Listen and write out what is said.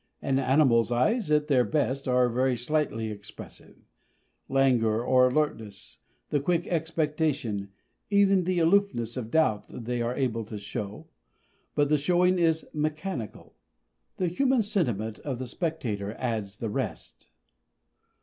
An animal's eyes, at their best, are very slightly expressive; languor or alertness, the quick expectation, even the aloofness of doubt they are able to show, but the showing is mechanical; the human sentiment of the spectator adds the rest.